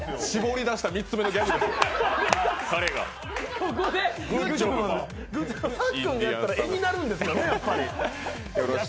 搾り出した３つ目のギャグです、彼が。